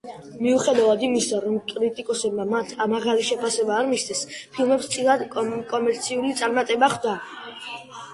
მიუხედავად იმისა, რომ კრიტიკოსებმა მათ მაღალი შეფასება არ მისცეს, ფილმებს წილად კომერციულად წარმატება ხვდა.